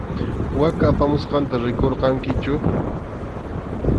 Waka apamusqanta rikurqankichu.